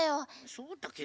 そうだけどさ。